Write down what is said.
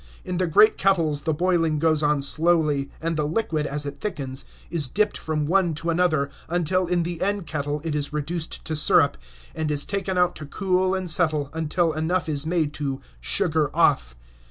In the great kettles the boiling goes on slowly, and the liquid, as it thickens, is dipped from one to another, until in the end kettle it is reduced to sirup, and is taken out to cool and settle, until enough is made to "sugar off."